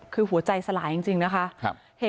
คือหัวใจสลายจริงนะคะ